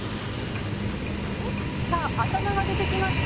「さあ頭が出てきました」